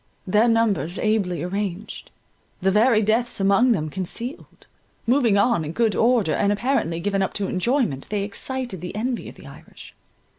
Their numbers ably arranged; the very deaths among them concealed; moving on in good order, and apparently given up to enjoyment, they excited the envy of the Irish.